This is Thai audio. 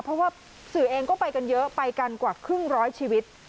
เพราะว่าสื่อเองก็ไปกันเยอะไปกันกว่าครึ่งร้อยชีวิต